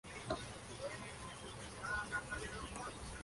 Es de tamaño mediano y cuerpo aplanado.